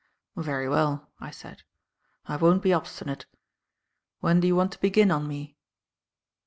"Very well," I said; "I won't be obstinate. When do you want to begin on me?"